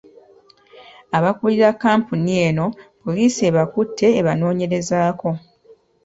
Abakulira kkampuni eno, poliisi ebakutte ebanoonyerezeeko.